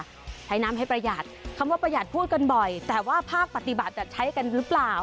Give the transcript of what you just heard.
ใช้น้ำให้ประหยัดคำว่าประหยัดพูดกันบ่อยแต่ว่าภาคปฏิบัติจะใช้กันหรือเปล่า